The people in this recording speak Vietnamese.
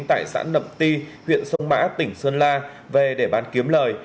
tại xã nậm ti huyện sông mã tỉnh sơn la về để bán kiếm lời